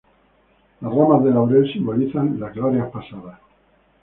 Las ramas de laurel simbolizan las glorias pasadas.